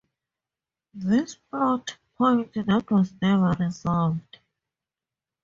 This plot-point that was never resolved.